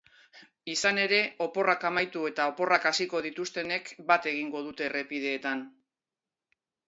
Izan ere, oporrak amaitu eta oporrak hasiko dituztenek bat egingo dute errepideetan.